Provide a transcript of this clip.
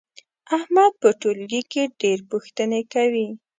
احمد په ټولګي کې ډېر پوښتنې کوي.